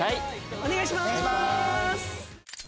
お願いします！